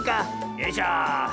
よいしょ。